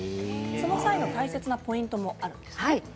その際の大切なポイントがあるんですね。